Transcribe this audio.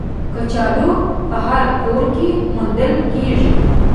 کچالو په هر کور کې موندل کېږي